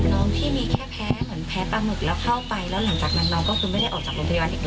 พี่มีแค่แพ้เหมือนแพ้ปลาหมึกแล้วเข้าไปแล้วหลังจากนั้นน้องก็คือไม่ได้ออกจากโรงพยาบาลอีกเลย